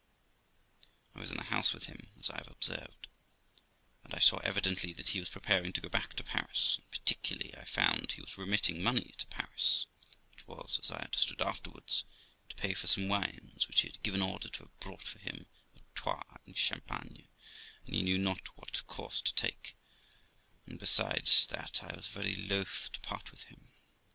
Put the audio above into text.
I was in the house with him, as I have observed, and I saw evidently that he was preparing to go back to Paris; and particularly I found he was remitting money to Paris, which was, as I understood afterwards, to pay for some wines which he had given order to have bought for him at Troyes, in Champagne, and I knew not what course to take ; and, besides that, I was very loth to part with him.